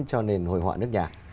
cho nền hồi họa nước nhà